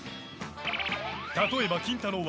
例えばキンタロー。